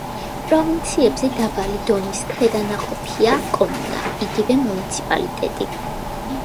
პროვინციებზე დაბალი დონის ქვედანაყოფია კომუნა, იგივე მუნიციპალიტეტი.